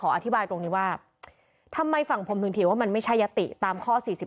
อธิบายตรงนี้ว่าทำไมฝั่งผมถึงถือว่ามันไม่ใช่ยติตามข้อ๔๔